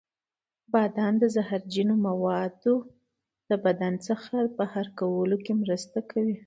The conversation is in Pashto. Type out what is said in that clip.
بادام د زهرجنو موادو د بدن څخه بهر کولو کې مرسته کوي.